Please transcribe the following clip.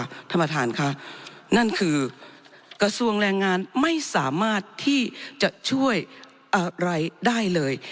ท่านประธานค่ะนั่นคือกระทรวงแรงงานไม่สามารถที่จะช่วยอะไรได้เลย